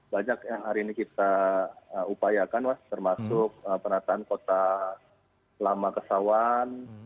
banyak yang hari ini kita upayakan mas termasuk penataan kota lama kesawan